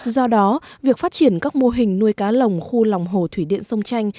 do đó việc phát triển các mô hình nuôi cá lồng khu lòng hồ thủy điện sông chanh